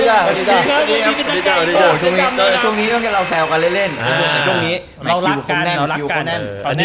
เรารักกัน